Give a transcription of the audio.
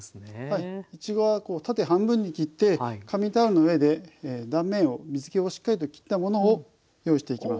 いちごは縦半分に切って紙タオルの上で断面を水けをしっかりときったものを用意していきます。